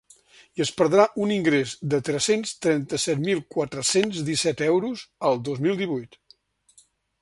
I es perdrà un ingrés de tres-cents trenta-set mil quatre-cents disset euros el dos mil divuit.